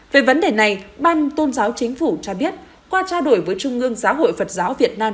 về vấn đề này ban tôn giáo chính phủ cho biết qua trao đổi với trung ương giáo hội phật giáo việt nam